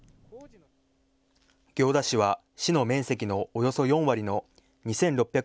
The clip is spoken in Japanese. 行田市は市の面積のおよそ４割の２６００